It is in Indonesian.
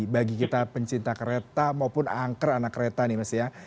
bagi kita pencinta kereta maupun angker anak kereta nih mas ya